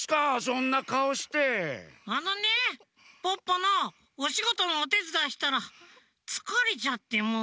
あのねポッポのおしごとのおてつだいしたらつかれちゃってもう。